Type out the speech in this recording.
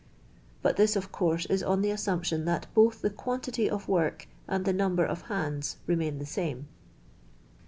But this, of course, is on the assumption that both the quantity of work and the number of hands remain the same.